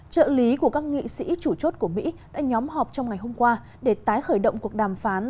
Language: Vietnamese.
trợ lý của các nghị sĩ chủ chốt của mỹ đã nhóm họp trong ngày hôm qua để tái khởi động cuộc đàm phán